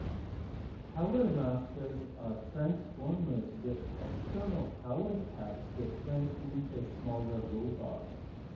Powermasters are Transformers with external power packs that turn into smaller robots.